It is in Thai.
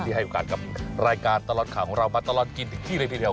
ให้โอกาสกับรายการตลอดข่าวของเรามาตลอดกินถึงที่เลยทีเดียว